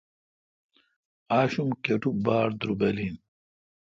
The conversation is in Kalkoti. آشوم کٹو باڑدروبل این۔